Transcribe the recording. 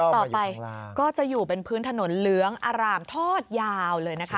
ต่อไปก็จะอยู่เป็นพื้นถนนเหลืองอร่ามทอดยาวเลยนะคะ